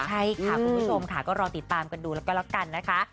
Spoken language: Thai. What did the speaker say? ใช่ค่ะคุณผู้ชมค่ะก็รอติดตามกันดูแล้วก็ละกันนะคะ